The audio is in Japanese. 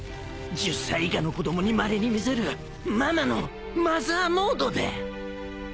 １０歳以下の子供にまれに見せるママのマザーモードだ